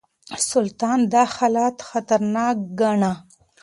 سلطان دا حالت خطرناک ګاڼه.